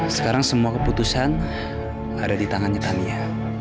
sekarang semua keputusan ada di tangannya tania